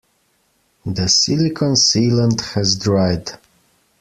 The silicon sealant has dried.